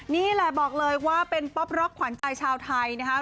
นี่แหละบอกเลยว่าเป็นป๊อปร็อกขวัญใจชาวไทยนะครับ